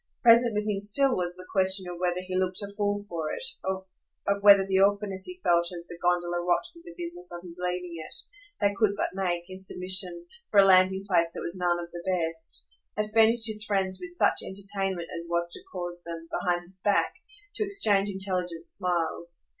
Present with him still was the question of whether he looked a fool for it, of whether the awkwardness he felt as the gondola rocked with the business of his leaving it they could but make, in submission, for a landing place that was none of the best had furnished his friends with such entertainment as was to cause them, behind his back, to exchange intelligent smiles.